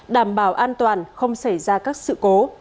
đảm bảo an toàn không xảy ra các sự cố